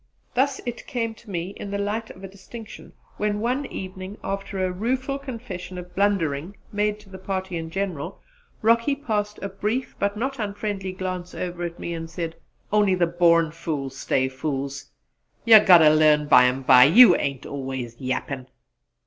Thus it came to me in the light of a distinction when one evening, after a rueful confession of blundering made to the party in general, Rocky passed a brief but not unfriendly glance over me and said, "On'y the born fools stays fools. You'll git ter learn bymbye; you ain't always yappin'!"